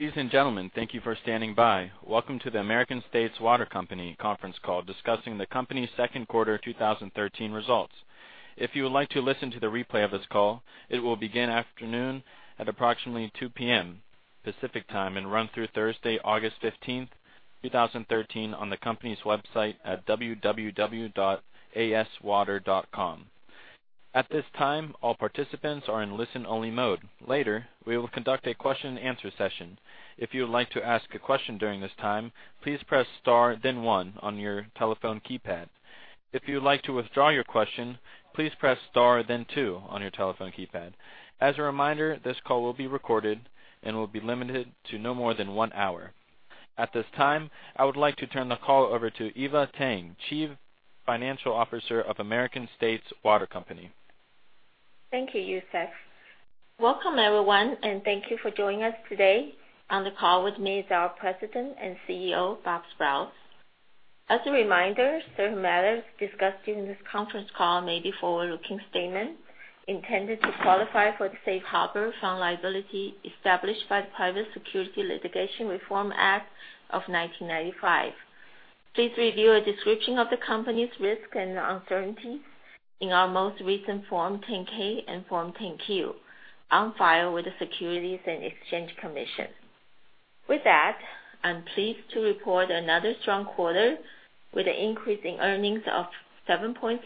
Ladies and gentlemen, thank you for standing by. Welcome to the American States Water Company conference call discussing the company's second quarter 2013 results. If you would like to listen to the replay of this call, it will begin afternoon at approximately 2:00 P.M. Pacific Time and run through Thursday, August 15, 2013, on the company's website at www.aswater.com. At this time, all participants are in listen-only mode. Later, we will conduct a question and answer session. If you would like to ask a question during this time, please press star then one on your telephone keypad. If you would like to withdraw your question, please press star then two on your telephone keypad. As a reminder, this call will be recorded and will be limited to no more than one hour. At this time, I would like to turn the call over to Eva Tang, Chief Financial Officer of American States Water Company. Thank you. Welcome, everyone, and thank you for joining us today. On the call with me is our President and CEO, Bob Sprowls. As a reminder, certain matters discussed during this conference call may be forward-looking statements intended to qualify for the safe harbor from liability established by the Private Securities Litigation Reform Act of 1995. Please review a description of the company's risks and uncertainties in our most recent Form 10-K and Form 10-Q on file with the Securities and Exchange Commission. With that, I'm pleased to report another strong quarter with an increase in earnings of 7.6%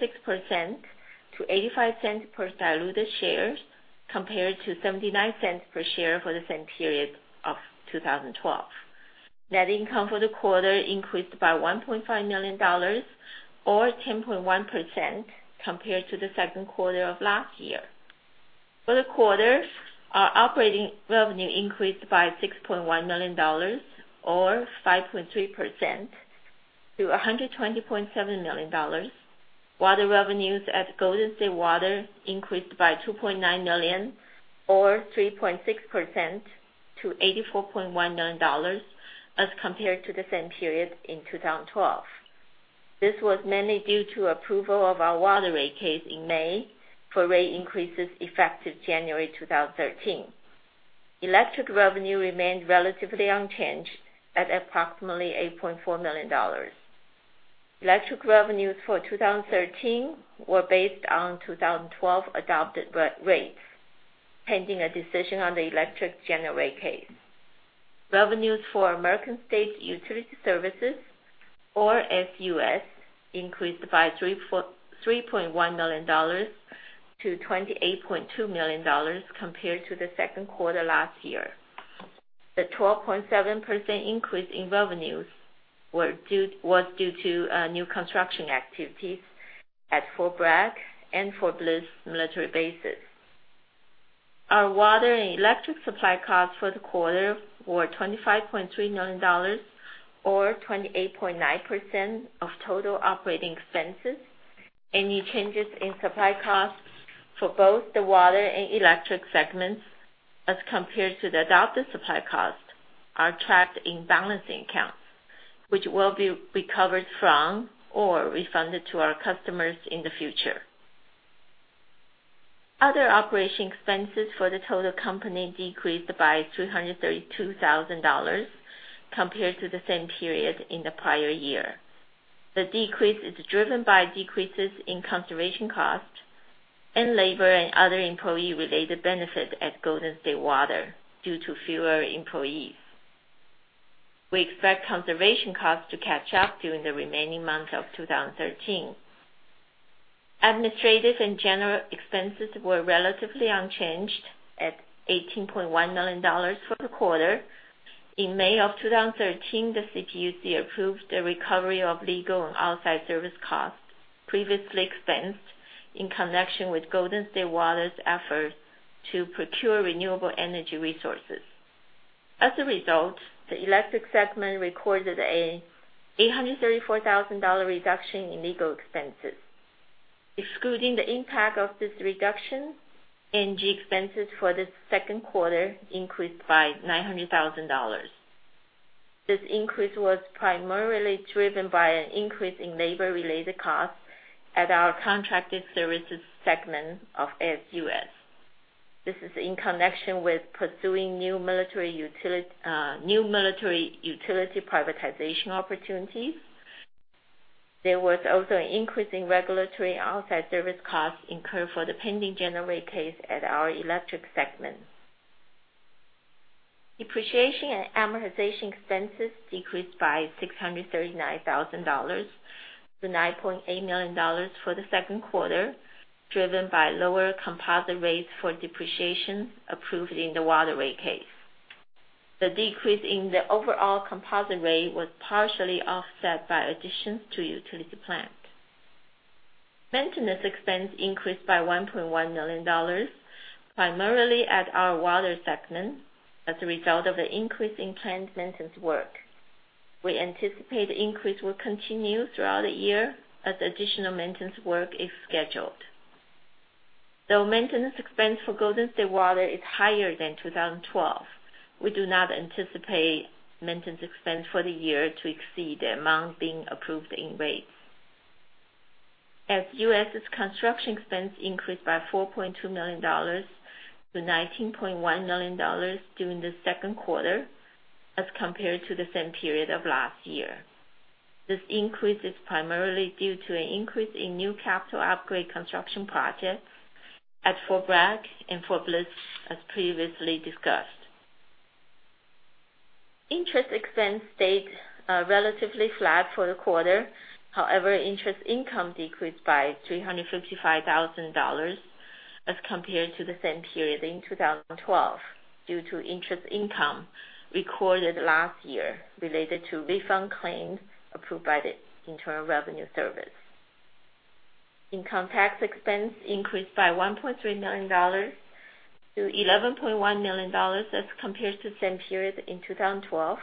to $0.85 per diluted share, compared to $0.79 per share for the same period of 2012. Net income for the quarter increased by $1.5 million, or 10.1%, compared to the second quarter of last year. For the quarter, our operating revenue increased by $6.1 million, or 5.3%, to $120.7 million. Water revenues at Golden State Water increased by $2.9 million, or 3.6%, to $84.1 million as compared to the same period in 2012. This was mainly due to approval of our water rate case in May for rate increases effective January 2013. Electric revenue remained relatively unchanged at approximately $8.4 million. Electric revenues for 2013 were based on 2012 adopted rates, pending a decision on the electric general rate case. Revenues for American States Utility Services, or ASUS, increased by $3.1 million to $28.2 million compared to the second quarter last year. The 12.7% increase in revenues was due to new construction activities at Fort Bragg and Fort Bliss military bases. Our water and electric supply costs for the quarter were $25.3 million, or 28.9%, of total operating expenses. Any changes in supply costs for both the water and electric segments as compared to the adopted supply cost are tracked in balancing accounts, which will be recovered from or refunded to our customers in the future. Other operating expenses for the total company decreased by $332,000 compared to the same period in the prior year. The decrease is driven by decreases in conservation costs and labor and other employee-related benefits at Golden State Water due to fewer employees. We expect conservation costs to catch up during the remaining months of 2013. Administrative and general expenses were relatively unchanged at $18.1 million for the quarter. In May of 2013, the CPUC approved the recovery of legal and outside service costs previously expensed in connection with Golden State Water's efforts to procure renewable energy resources. As a result, the electric segment recorded an $834,000 reduction in legal expenses. Excluding the impact of this reduction, energy expenses for the second quarter increased by $900,000. This increase was primarily driven by an increase in labor-related costs at our contracted services segment of ASUS. This is in connection with pursuing new military utility privatization opportunities. There was also an increase in regulatory outside service costs incurred for the pending general rate case at our electric segment. Depreciation and amortization expenses decreased by $639,000 to $9.8 million for the second quarter, driven by lower composite rates for depreciation approved in the water rate case. The decrease in the overall composite rate was partially offset by additions to utility plant. Maintenance expense increased by $1.1 million, primarily at our water segment, as a result of an increase in planned maintenance work. We anticipate the increase will continue throughout the year as additional maintenance work is scheduled. Though maintenance expense for Golden State Water is higher than 2012, we do not anticipate maintenance expense for the year to exceed the amount being approved in rates. ASUS's construction expense increased by $4.2 million to $19.1 million during the second quarter as compared to the same period of last year. This increase is primarily due to an increase in new capital upgrade construction projects at Fort Bragg and Fort Bliss, as previously discussed. Interest expense stayed relatively flat for the quarter. However, interest income decreased by $355,000 as compared to the same period in 2012 due to interest income recorded last year related to refund claims approved by the Internal Revenue Service. Income tax expense increased by $1.3 million to $11.1 million as compared to the same period in 2012,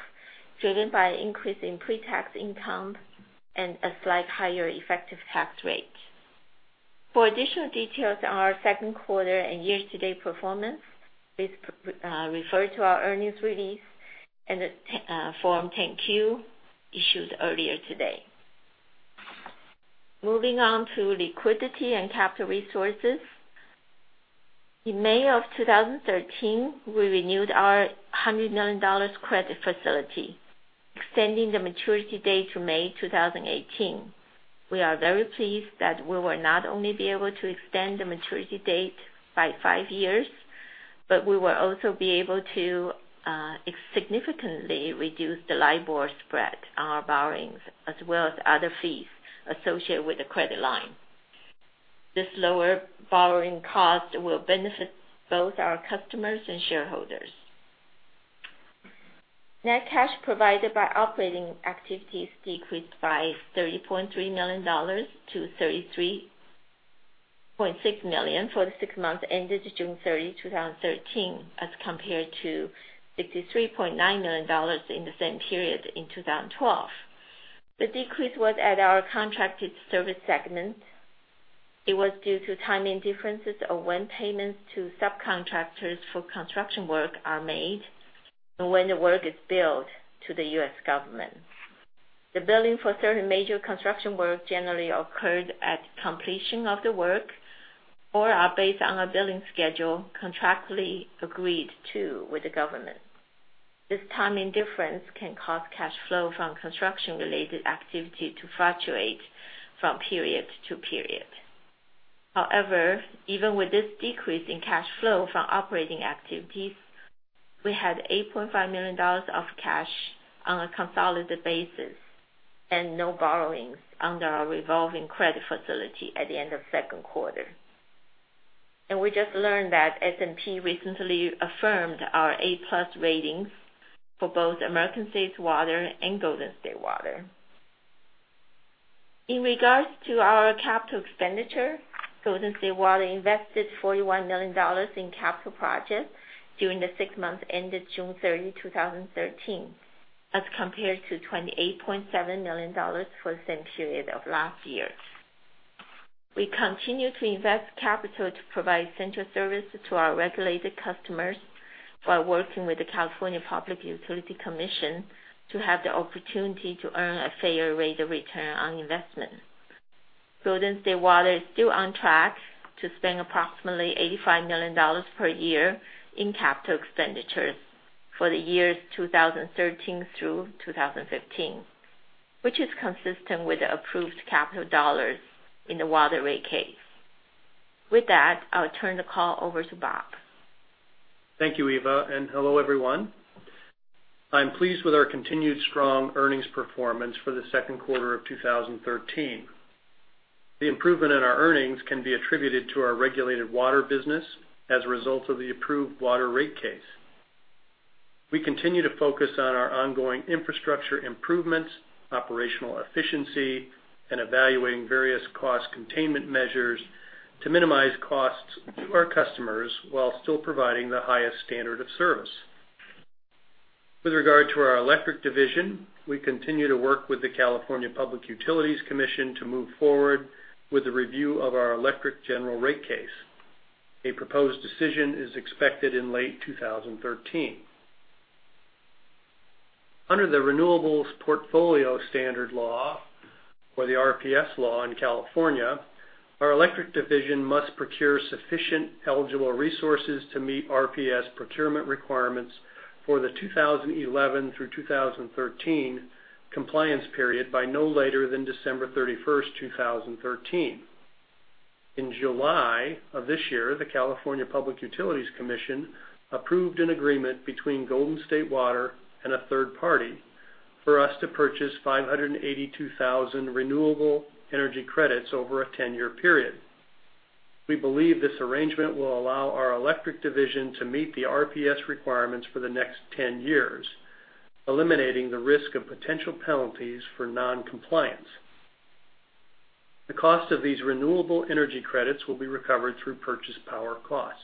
driven by an increase in pre-tax income and a slight higher effective tax rate. For additional details on our second quarter and year-to-date performance, please refer to our earnings release and the Form 10-Q issued earlier today. Moving on to liquidity and capital resources. In May of 2013, we renewed our $100 million credit facility, extending the maturity date to May 2018. We are very pleased that we will not only be able to extend the maturity date by five years, but we will also be able to significantly reduce the LIBOR spread on our borrowings as well as other fees associated with the credit line. This lower borrowing cost will benefit both our customers and shareholders. Net cash provided by operating activities decreased by $30.3 million to $33.6 million for the six months ended June 30, 2013, as compared to $63.9 million in the same period in 2012. The decrease was at our contracted service segment. It was due to timing differences of when payments to subcontractors for construction work are made and when the work is billed to the U.S. government. The billing for certain major construction work generally occurred at completion of the work or are based on a billing schedule contractually agreed to with the government. This timing difference can cause cash flow from construction-related activity to fluctuate from period to period. However, even with this decrease in cash flow from operating activities, we had $8.5 million of cash on a consolidated basis and no borrowings under our revolving credit facility at the end of the second quarter. We just learned that S&P recently affirmed our A+ ratings for both American States Water and Golden State Water. In regards to our capital expenditure, Golden State Water invested $41 million in capital projects during the six months ended June 30, 2013, as compared to $28.7 million for the same period of last year. We continue to invest capital to provide essential services to our regulated customers while working with the California Public Utilities Commission to have the opportunity to earn a fair rate of return on investment. Golden State Water is still on track to spend approximately $85 million per year in capital expenditures for the years 2013 through 2015, which is consistent with the approved capital dollars in the water rate case. With that, I'll turn the call over to Bob. Thank you, Eva, hello, everyone. I'm pleased with our continued strong earnings performance for the second quarter of 2013. The improvement in our earnings can be attributed to our regulated water business as a result of the approved water rate case. We continue to focus on our ongoing infrastructure improvements, operational efficiency, and evaluating various cost containment measures to minimize costs to our customers while still providing the highest standard of service. With regard to our electric division, we continue to work with the California Public Utilities Commission to move forward with the review of our electric general rate case. A proposed decision is expected in late 2013. Under the Renewables Portfolio Standard law, or the RPS law in California, our electric division must procure sufficient eligible resources to meet RPS procurement requirements for the 2011 through 2013 compliance period by no later than December 31st, 2013. In July of this year, the California Public Utilities Commission approved an agreement between Golden State Water and a third party for us to purchase 582,000 renewable energy credits over a 10-year period. We believe this arrangement will allow our electric division to meet the RPS requirements for the next 10 years, eliminating the risk of potential penalties for non-compliance. The cost of these renewable energy credits will be recovered through purchase power costs.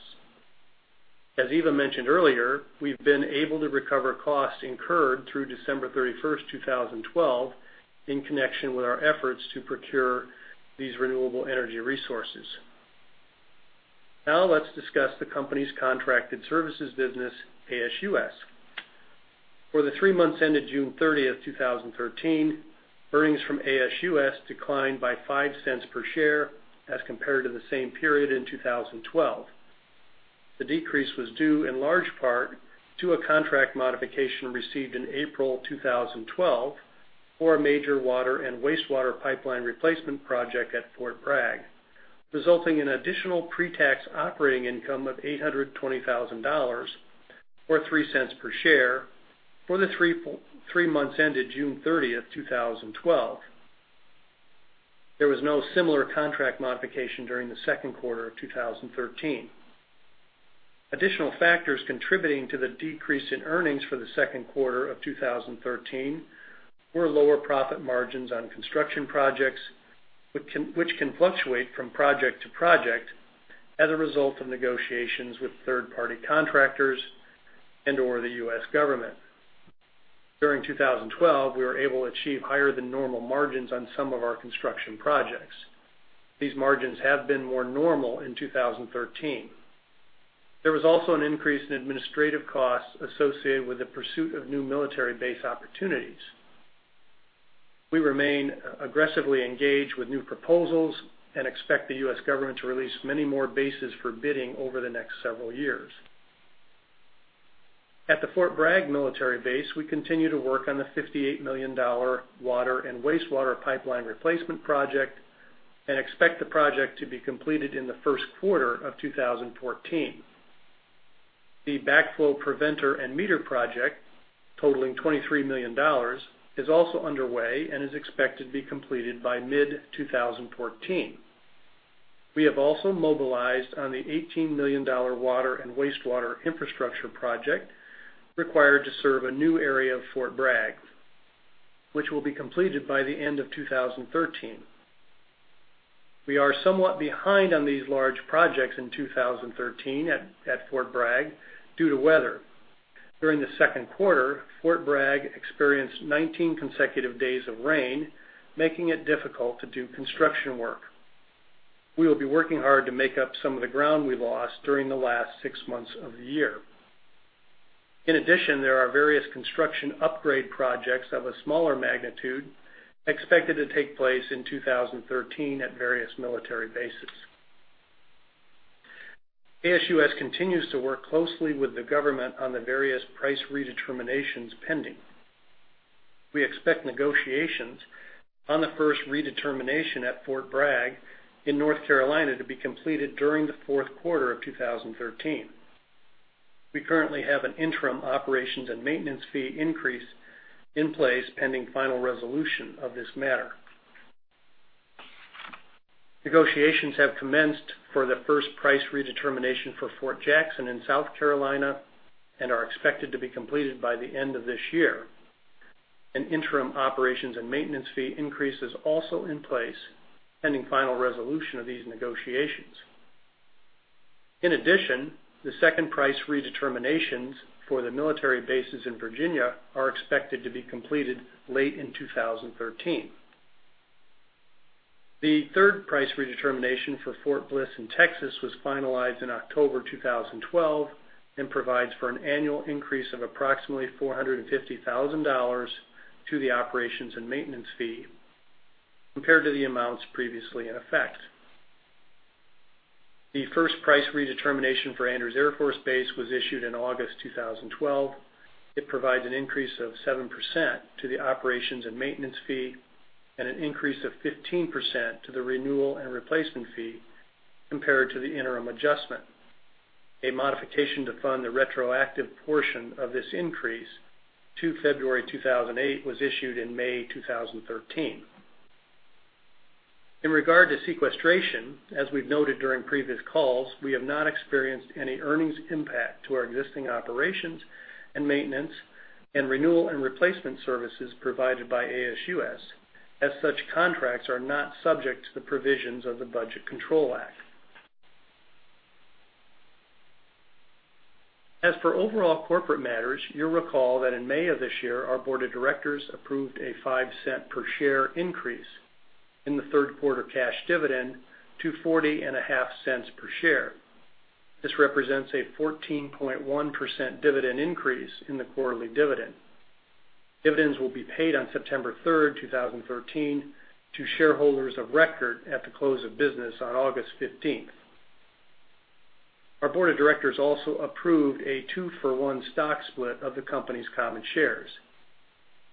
As Eva mentioned earlier, we've been able to recover costs incurred through December 31st, 2012, in connection with our efforts to procure these renewable energy resources. Let's discuss the company's contracted services business, ASUS. For the three months ended June 30th, 2013, earnings from ASUS declined by $0.05 per share as compared to the same period in 2012. The decrease was due in large part to a contract modification received in April 2012 for a major water and wastewater pipeline replacement project at Fort Bragg, resulting in additional pre-tax operating income of $820,000, or $0.03 per share, for the three months ended June 30th, 2012. There was no similar contract modification during the second quarter of 2013. Additional factors contributing to the decrease in earnings for the second quarter of 2013 were lower profit margins on construction projects, which can fluctuate from project to project as a result of negotiations with third-party contractors and/or the U.S. government. During 2012, we were able to achieve higher than normal margins on some of our construction projects. These margins have been more normal in 2013. There was also an increase in administrative costs associated with the pursuit of new military base opportunities. We remain aggressively engaged with new proposals and expect the U.S. government to release many more bases for bidding over the next several years. At the Fort Bragg military base, we continue to work on the $58 million water and wastewater pipeline replacement project and expect the project to be completed in the first quarter of 2014. The backflow preventer and meter project, totaling $23 million, is also underway and is expected to be completed by mid-2014. We have also mobilized on the $18 million water and wastewater infrastructure project required to serve a new area of Fort Bragg, which will be completed by the end of 2013. We are somewhat behind on these large projects in 2013 at Fort Bragg due to weather. During the second quarter, Fort Bragg experienced 19 consecutive days of rain, making it difficult to do construction work. We will be working hard to make up some of the ground we lost during the last six months of the year. In addition, there are various construction upgrade projects of a smaller magnitude expected to take place in 2013 at various military bases. ASUS continues to work closely with the government on the various price redeterminations pending. We expect negotiations on the first redetermination at Fort Bragg in North Carolina to be completed during the fourth quarter of 2013. We currently have an interim operations and maintenance fee increase in place, pending final resolution of this matter. Negotiations have commenced for the first price redetermination for Fort Jackson in South Carolina and are expected to be completed by the end of this year. An interim operations and maintenance fee increase is also in place, pending final resolution of these negotiations. In addition, the second price redeterminations for the military bases in Virginia are expected to be completed late in 2013. The third price redetermination for Fort Bliss in Texas was finalized in October 2012 and provides for an annual increase of approximately $450,000 to the operations and maintenance fee compared to the amounts previously in effect. The first price redetermination for Andrews Air Force Base was issued in August 2012. It provides an increase of 7% to the operations and maintenance fee and an increase of 15% to the renewal and replacement fee compared to the interim adjustment. A modification to fund the retroactive portion of this increase to February 2008 was issued in May 2013. In regard to sequestration, as we've noted during previous calls, we have not experienced any earnings impact to our existing operations and maintenance and renewal and replacement services provided by ASUS, as such contracts are not subject to the provisions of the Budget Control Act. As for overall corporate matters, you'll recall that in May of this year, our board of directors approved a $0.05 per share increase in the third quarter cash dividend to $0.405 per share. This represents a 14.1% dividend increase in the quarterly dividend. Dividends will be paid on September 3rd, 2013, to shareholders of record at the close of business on August 15th. Our board of directors also approved a two-for-one stock split of the company's common shares.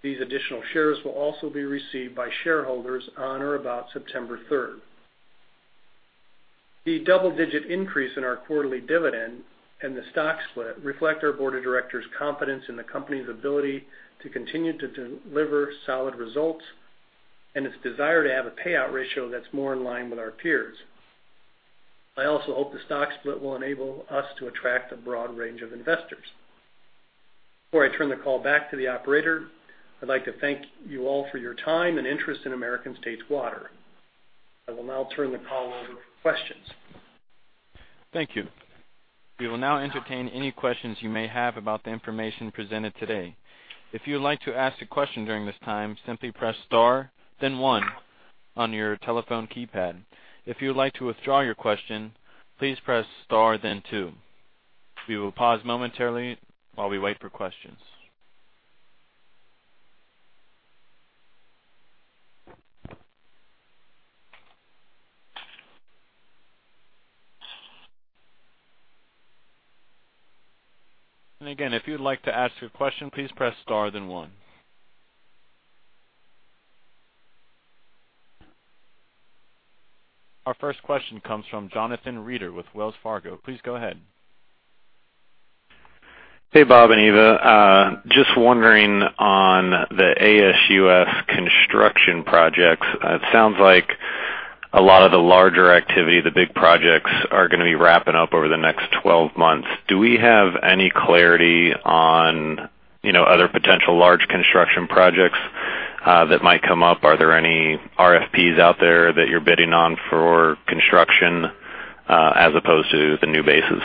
These additional shares will also be received by shareholders on or about September 3rd. The double-digit increase in our quarterly dividend and the stock split reflect our board of directors' confidence in the company's ability to continue to deliver solid results and its desire to have a payout ratio that's more in line with our peers. I also hope the stock split will enable us to attract a broad range of investors. Before I turn the call back to the operator, I'd like to thank you all for your time and interest in American States Water. I will now turn the call over for questions. Thank you. We will now entertain any questions you may have about the information presented today. If you would like to ask a question during this time, simply press star then one on your telephone keypad. If you would like to withdraw your question, please press star then two. We will pause momentarily while we wait for questions. Again, if you would like to ask a question, please press star then one. Our first question comes from Jonathan Reeder with Wells Fargo. Please go ahead. Hey, Bob and Eva. Just wondering on the ASUS construction projects, it sounds like a lot of the larger activity, the big projects, are going to be wrapping up over the next 12 months. Do we have any clarity on other potential large construction projects that might come up? Are there any RFPs out there that you're bidding on for construction, as opposed to the new bases?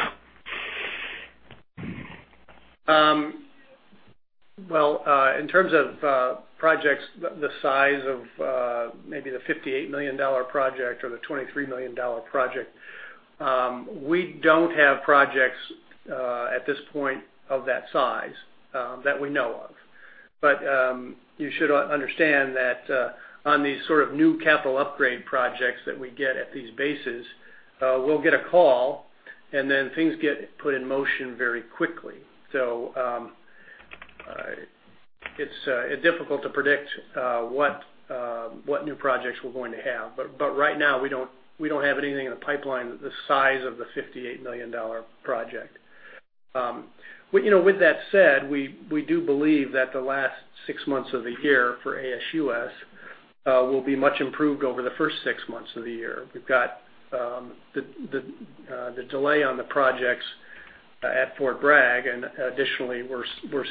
Well, in terms of projects the size of maybe the $58 million project or the $23 million project, we don't have projects at this point of that size that we know of. You should understand that on these sort of new capital upgrade projects that we get at these bases, we'll get a call, then things get put in motion very quickly. It's difficult to predict what new projects we're going to have. Right now, we don't have anything in the pipeline the size of the $58 million project. With that said, we do believe that the last six months of the year for ASUS will be much improved over the first six months of the year. We've got the delay on the projects at Fort Bragg, additionally, we're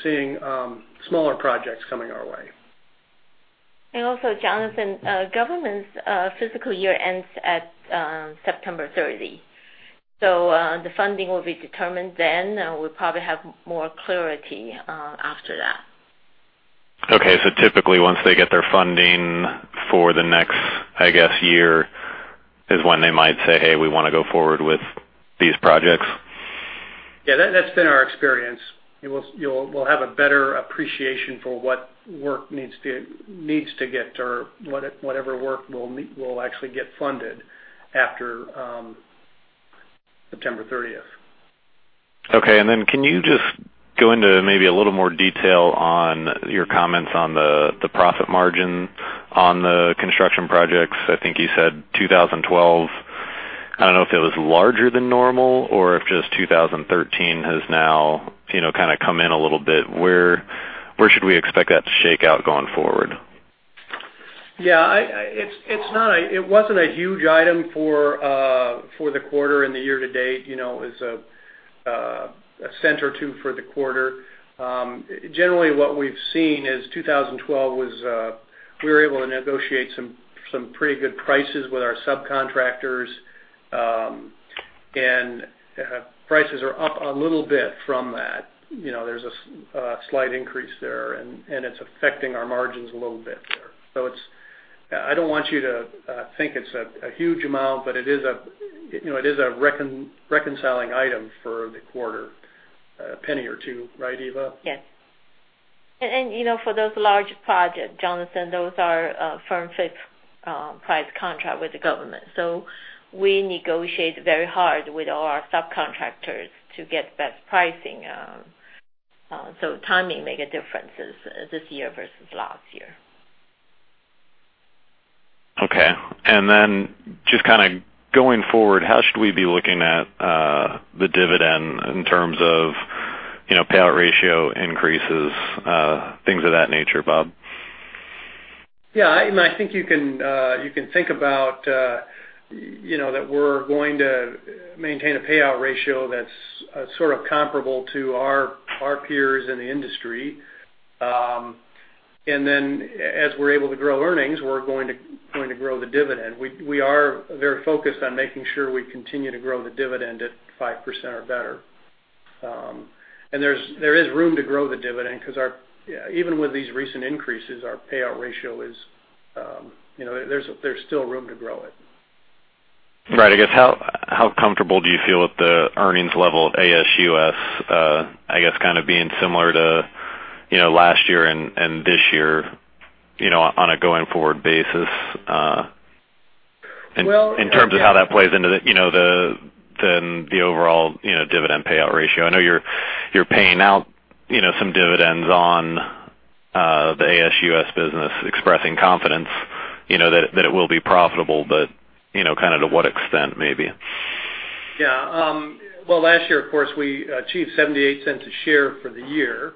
seeing smaller projects coming our way. Also, Jonathan, government's fiscal year ends at September 30. The funding will be determined then. We'll probably have more clarity after that. Okay. Typically, once they get their funding for the next, I guess, year is when they might say, "Hey, we want to go forward with these projects. Yeah, that's been our experience. We'll have a better appreciation for what work needs to get or whatever work will actually get funded after September 30th. Okay, can you just go into maybe a little more detail on your comments on the profit margin on the construction projects? I think you said 2012. I don't know if it was larger than normal or if just 2013 has now kind of come in a little bit. Where should we expect that to shake out going forward? Yeah. It wasn't a huge item for the quarter and the year to date. It was $0.01 or $0.02 for the quarter. Generally, what we've seen is 2012 was, we were able to negotiate some pretty good prices with our subcontractors. Prices are up a little bit from that. There's a slight increase there, it's affecting our margins a little bit there. I don't want you to think it's a huge amount, but it is a reconciling item for the quarter. A $0.01 or $0.02, right, Eva? Yes. For those large projects, Jonathan, those are firm fixed price contract with the government. We negotiate very hard with our subcontractors to get best pricing. Timing make a difference this year versus last year. Okay. Then just kind of going forward, how should we be looking at the dividend in terms of payout ratio increases, things of that nature, Bob? Yeah. I think you can think about that we're going to maintain a payout ratio that's sort of comparable to our peers in the industry. Then as we're able to grow earnings, we're going to grow the dividend. We are very focused on making sure we continue to grow the dividend at 5% or better. There is room to grow the dividend because even with these recent increases, our payout ratio, there's still room to grow it. Right. I guess how comfortable do you feel with the earnings level of ASUS, I guess, kind of being similar to last year and this year on a going forward basis- Well- In terms of how that plays into the overall dividend payout ratio? I know you're paying out some dividends on the ASUS business, expressing confidence that it will be profitable, but kind of to what extent maybe? Yeah. Well, last year, of course, we achieved $0.78 a share for the year.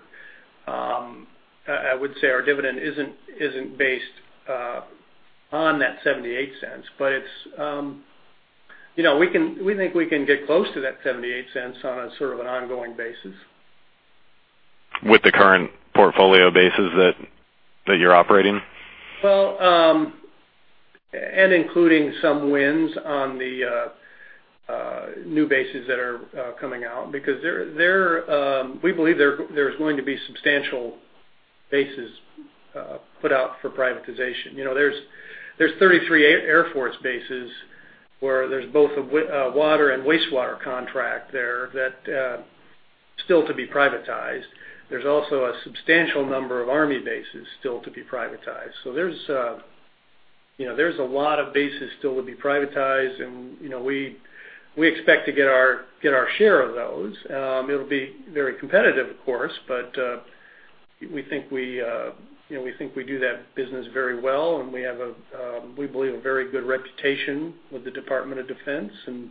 I would say our dividend isn't based on that $0.78, but we think we can get close to that $0.78 on a sort of an ongoing basis. With the current portfolio bases that you're operating? Well, including some wins on the new bases that are coming out, because we believe there's going to be substantial bases put out for privatization. There's 33 Air Force bases where there's both a water and wastewater contract there that still to be privatized. There's also a substantial number of Army bases still to be privatized. There's a lot of bases still to be privatized, and we expect to get our share of those. It'll be very competitive, of course, but we think we do that business very well, and we believe a very good reputation with the Department of Defense, and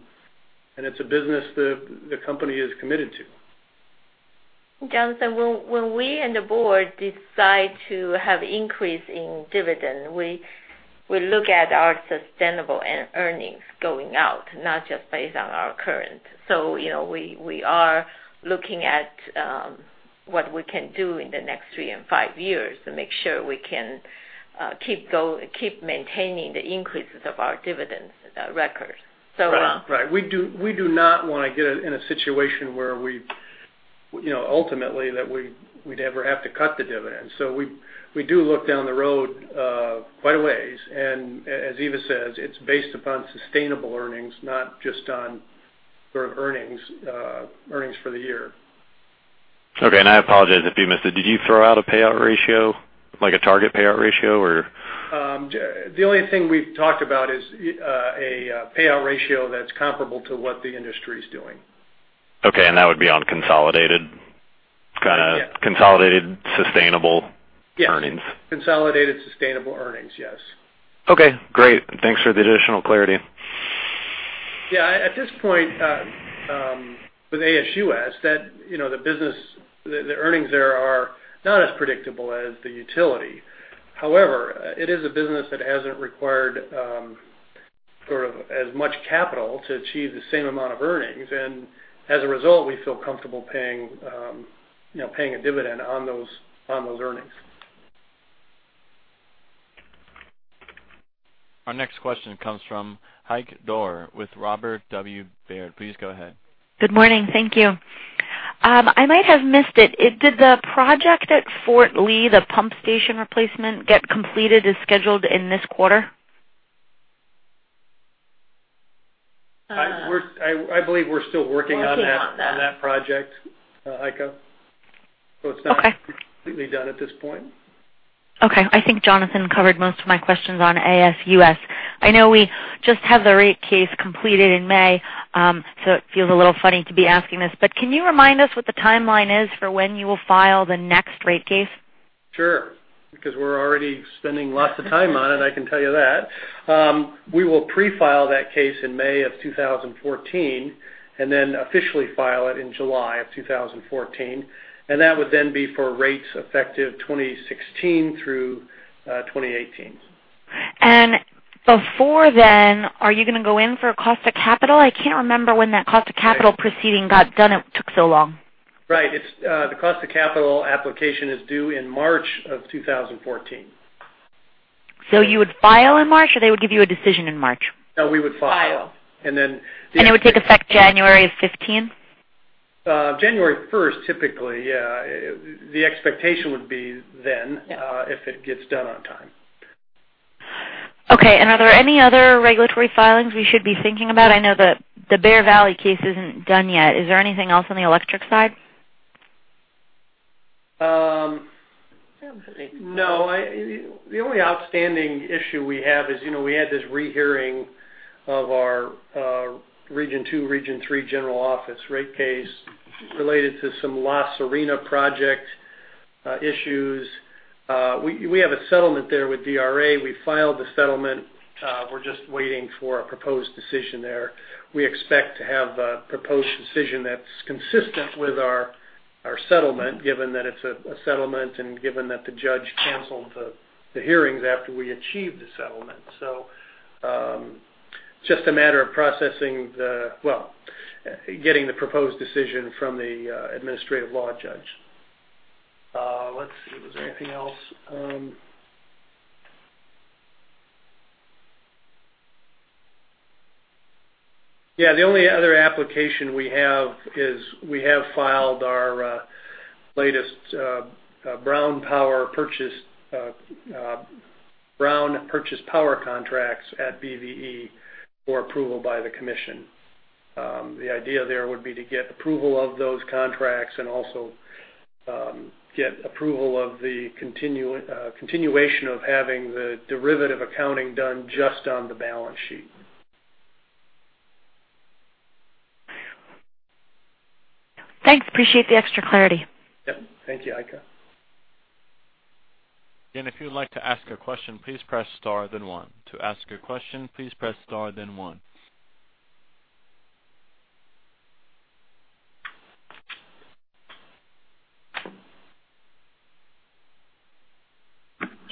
it's a business the company is committed to. Jonathan, when we and the board decide to have increase in dividend, we look at our sustainable earnings going out, not just based on our current. We are looking at what we can do in the next three and five years to make sure we can keep maintaining the increases of our dividends record. Right. We do not want to get in a situation where ultimately that we'd ever have to cut the dividend. We do look down the road, quite a ways. As Eva says, it's based upon sustainable earnings, not just on sort of earnings for the year. Okay. I apologize if you missed it. Did you throw out a payout ratio, like a target payout ratio or? The only thing we've talked about is a payout ratio that's comparable to what the industry's doing. Okay. That would be on consolidated? Yeah. Kind of consolidated, sustainable- Yes earnings. Consolidated sustainable earnings. Yes. Okay, great. Thanks for the additional clarity. Yeah. At this point, with ASUS, the earnings there are not as predictable as the utility. However, it is a business that hasn't required, sort of as much capital to achieve the same amount of earnings, and as a result, we feel comfortable paying a dividend on those earnings. Our next question comes from Heike Dorr with Robert W. Baird. Please go ahead. Good morning. Thank you. I might have missed it. Did the project at Fort Lee, the pump station replacement, get completed as scheduled in this quarter? I believe we're still working on that. Working on that. on that project, Heike. Okay. It's not completely done at this point. I think Jonathan covered most of my questions on ASUS. I know we just had the rate case completed in May, it feels a little funny to be asking this, but can you remind us what the timeline is for when you will file the next rate case? Because we're already spending lots of time on it, I can tell you that. We will pre-file that case in May of 2014 and officially file it in July of 2014, and that would then be for rates effective 2016 through 2018. Before then, are you going to go in for cost of capital? I can't remember when that cost of capital proceeding got done. It took so long. Right. The cost of capital application is due in March of 2014. You would file in March, or they would give you a decision in March? No, we would file. File. And then- It would take effect January 15th? January 1st, typically. Yeah. The expectation would be. Yeah if it gets done on time. Are there any other regulatory filings we should be thinking about? I know the Bear Valley case isn't done yet. Is there anything else on the electric side? No. The only outstanding issue we have is we had this rehearing of our Region Two, Region Three general office rate case related to some La Serena project issues. We have a settlement there with DRA. We filed the settlement. We are just waiting for a proposed decision there. We expect to have a proposed decision that is consistent with our settlement, given that it is a settlement and given that the judge canceled the hearings after we achieved the settlement. Just a matter of getting the proposed decision from the administrative law judge. Let's see. Was there anything else? The only other application we have is we have filed our latest Brown purchased power contracts at BVE for approval by the Commission. The idea there would be to get approval of those contracts and also, get approval of the continuation of having the derivative accounting done just on the balance sheet. Thanks. Appreciate the extra clarity. Yep. Thank you, Heike. Again, if you'd like to ask a question, please press star then one. To ask a question, please press star then one.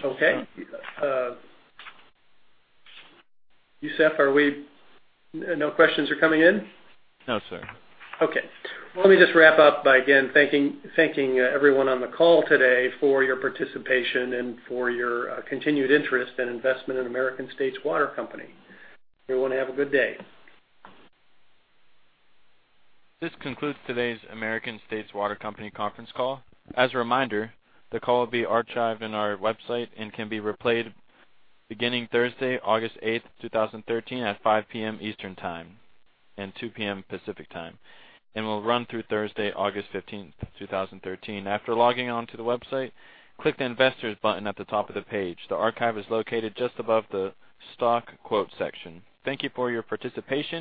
Okay. Yusef, no questions are coming in? No, sir. Okay. Well, let me just wrap up by again, thanking everyone on the call today for your participation and for your continued interest and investment in American States Water Company. Everyone have a good day. This concludes today's American States Water Company conference call. As a reminder, the call will be archived in our website and can be replayed beginning Thursday, August 8th, 2013, at 5:00 P.M. Eastern Time and 2:00 P.M. Pacific Time, and will run through Thursday, August 15th, 2013. After logging on to the website, click the investors button at the top of the page. The archive is located just above the stock quote section. Thank you for your participation